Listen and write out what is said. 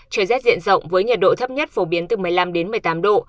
trời rét diện rộng với nhiệt độ thấp nhất phổ biến từ một mươi năm đến một mươi tám độ